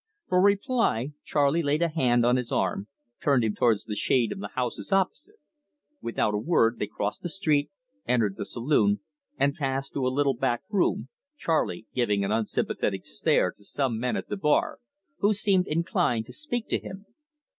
For reply Charley laid a hand on his arm turned him towards the shade of the houses opposite. Without a word they crossed the street, entered the saloon, and passed to a little back room, Charley giving an unsympathetic stare to some men at the bar who seemed inclined to speak to him.